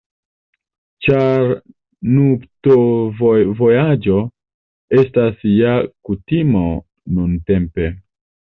Ĉar nuptovojaĝo estas ja kutimo nuntempe.